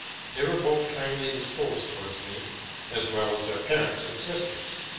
They were both kindly dis posed towards me, as well as their parents and sisters.